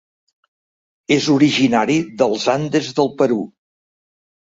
És originari dels Andes del Perú.